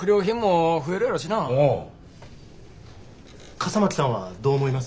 笠巻さんはどう思います？